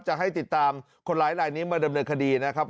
จะให้ติดตามคนร้ายลายนี้มาดำเนินคดีนะครับ